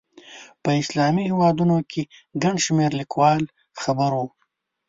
په اسلامي هېوادونو کې ګڼ شمېر لیکوال خبر وو.